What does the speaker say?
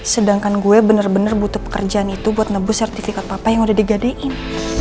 sedangkan gue bener bener butuh pekerjaan itu buat nebu sertifikat apa yang udah digadein